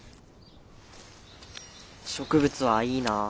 植物はいいな。